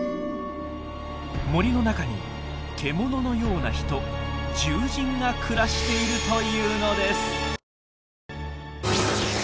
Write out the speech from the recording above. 森の中に獣のような人「獣人」が暮らしているというのです。